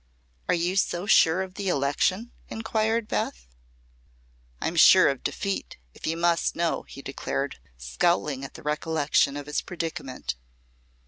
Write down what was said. "Are you so sure of election?" inquired Beth. "I'm sure of defeat, if you must know," he declared, scowling at the recollection of his predicament.